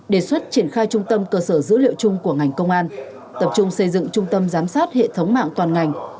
đề xuất triển khai trung tâm cơ sở dữ liệu chung của ngành công an tập trung xây dựng trung tâm giám sát hệ thống mạng toàn ngành